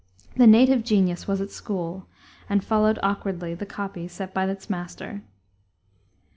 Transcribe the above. The native genius was at school, and followed awkwardly the copy set by its master.